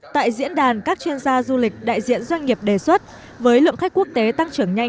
tại diễn đàn các chuyên gia du lịch đại diện doanh nghiệp đề xuất với lượng khách quốc tế tăng trưởng nhanh